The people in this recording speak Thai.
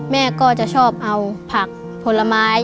แม่ก็จะชอบเอาผักผลไม้